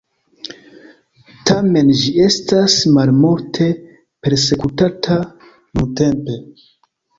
Tamen ĝi estas malmulte persekutata nuntempe.